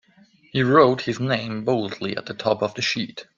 He wrote his name boldly at the top of the sheet.